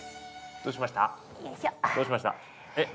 どうしました？え？